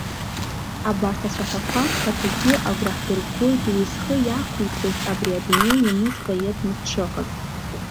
Абарҭ ацәаҳәақәа рхаҭагьы агәра ҳдыргоит уи зхы иақәиҭыз абри адунеи ианыз поетны дшыҟаз.